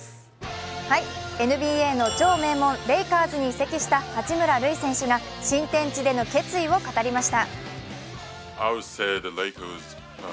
ＮＢＡの超名門レイカーズに移籍した八村塁選手が新天地での決意を語りました。